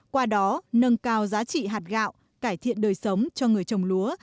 qua đó nâng cao giá trị hạt gạo cải thiện đời sống cho người trồng lúa